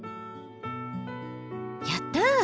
やった！